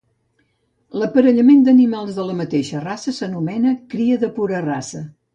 L'aparellament d'animals de la mateixa raça s'anomena cria de pura raça.